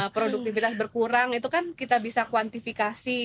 produktivitas berkurang itu kan kita bisa kuantifikasi